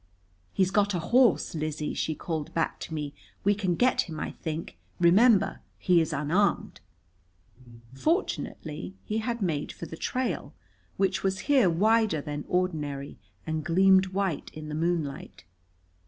"He's got a horse, Lizzie," she called back to me. "We can get him, I think. Remember, he is unarmed." Fortunately he had made for the trail, which was here wider than ordinary and gleamed white in the moonlight.